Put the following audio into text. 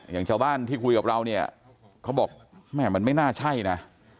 อย่างชาวบ้านที่คุยกับเราเนี่ยเขาบอกแม่มันไม่น่าใช่นะ